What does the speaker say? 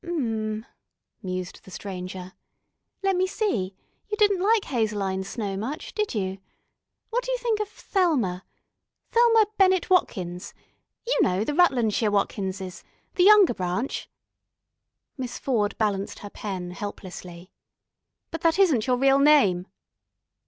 "M m," mused the Stranger. "Let me see, you didn't like Hazeline Snow much, did you? What d'you think of Thelma ... Thelma Bennett Watkins?... You know, the Rutlandshire Watkinses, the younger branch " Miss Ford balanced her pen helplessly. "But that isn't your real name."